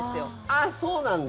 ああ、そうなんだ。